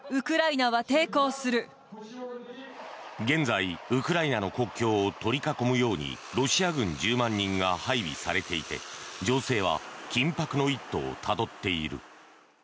現在、ウクライナの国境を取り囲むようにロシア軍１０万人が配備されていて情勢は緊迫の一途をたどっている。